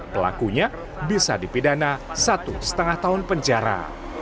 pelakunya bisa dipidana satu lima tahun penjara